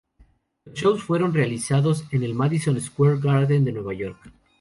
Los shows fueron realizados en el Madison Square Garden de Nueva York.